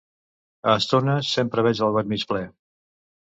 A estones… Sempre veig el got mig ple.